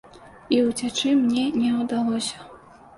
І ўцячы мне не ўдалося.